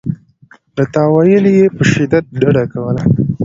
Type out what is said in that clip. له تأویله یې په شدت ډډه کوله.